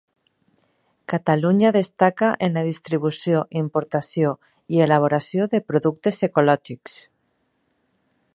Catalunya destaca en la distribució, importació i elaboració de productes ecològics.